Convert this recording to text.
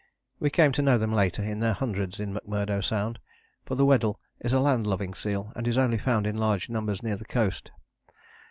We came to know them later in their hundreds in McMurdo Sound, for the Weddell is a land loving seal and is only found in large numbers near the coast.